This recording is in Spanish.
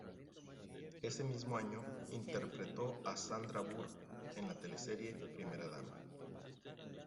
Ese mismo año interpretó a "Sandra Burr" en la teleserie Primera Dama.